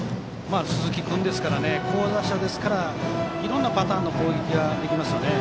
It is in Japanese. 鈴木君は好打者ですからいろんなパターンの攻撃ができますよね。